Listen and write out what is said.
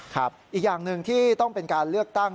อีกอย่างหนึ่งที่ต้องเป็นการเลือกตั้ง